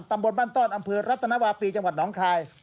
ตำบลบ้านต้อนอำเภอรัตนวาปีจังหวัดน้องคาย